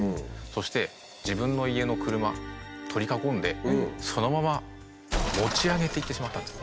そして自分の家の車取り囲んでそのまま持ち上げていってしまったんです。